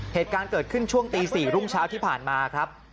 เหตุการณ์เกิดขึ้นช่วงตี๔รุ่งเช้าที่ผ่านมาครับ